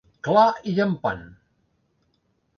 Clar i llampant.